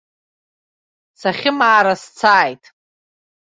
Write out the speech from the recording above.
Сахьымаара сцааит.